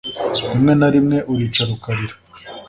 rimwe na rimwe uricara ukarira